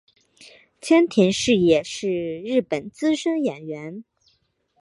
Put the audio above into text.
千田是也是日本资深演员。